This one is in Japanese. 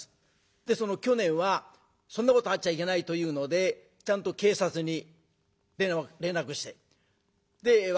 で去年はそんなことあっちゃいけないというのでちゃんと警察に連絡してで「分かりました」